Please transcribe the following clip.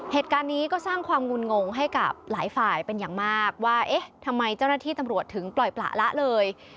เหตุการณ์นี้ก็สร้างความงุ่นงงให้กับหลายฝ่ายเป็นอย่างมากว่าเอ๊ะทำไมเจ้าหน้าที่ตำรวจถึงปล่อยประละเลย